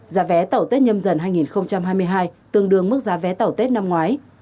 giá vé tàu tết nhâm dần hai nghìn hai mươi hai tương đương mức giá vé tàu tết năm ngoái